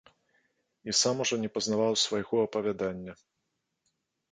І сам ужо не пазнаваў свайго апавядання.